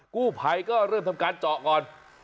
กู้ภัยก็เริ่มทำการเจาะก่อน